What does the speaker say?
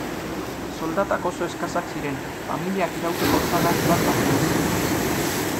Soldatak oso eskasak ziren, familiak irauteko osagarri bat baino ez.